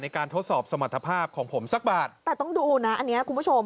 ทดสอบสมรรถภาพของผมสักบาทแต่ต้องดูนะอันเนี้ยคุณผู้ชม